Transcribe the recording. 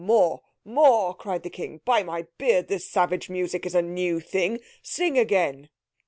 "More, more," cried the King; "by my beard, this savage music is a new thing. Sing again!"